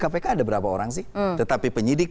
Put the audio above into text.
kpk ada berapa orang sih tetapi penyidik